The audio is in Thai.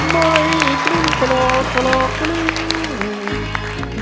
ไม่กลิ้นกลอกกลอกกลิ้น